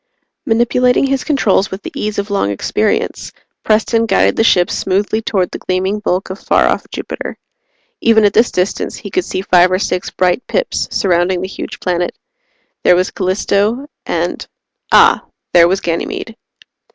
Manipulating his controls with the ease of long experience, Preston guided the ship smoothly toward the gleaming bulk of far off Jupiter. Even at this distance, he could see five or six bright pips surrounding the huge planet. There was Callisto, and ah there was Ganymede.